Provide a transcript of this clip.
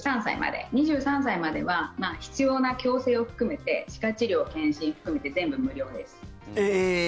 ２３歳までは必要な矯正を含めて歯科治療、検診含めて全部無料です。